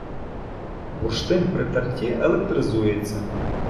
Бурштин при терті електризується